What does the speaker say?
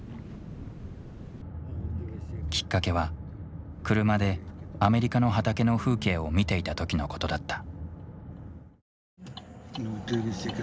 きっかけは車でアメリカの畑の風景を見ていた時のことだった。